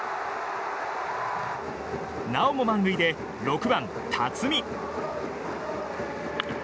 なおも満塁で６番、辰己。